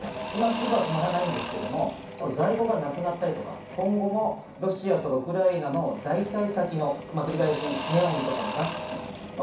今すぐは止まらないんですけど、在庫がなくなったりとか、今後もロシアとかウクライナの代替先のネオンとかのガスですね。